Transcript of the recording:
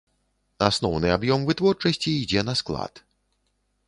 Асноўны аб'ём вытворчасці ідзе на склад.